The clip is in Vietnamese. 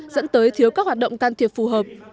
dẫn tới thiếu các hoạt động can thiệp phù hợp